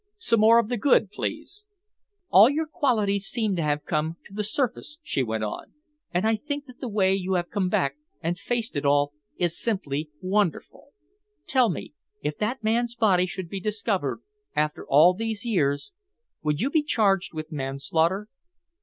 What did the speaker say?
Some more of the good, please?" "All your best qualities seem to have come to the surface," she went on, "and I think that the way you have come back and faced it all is simply wonderful. Tell me, if that man's body should be discovered after all these years, would you be charged with manslaughter?"